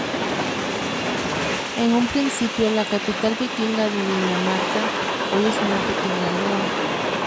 En un principio la capital vikinga de Dinamarca, hoy es una pequeña aldea.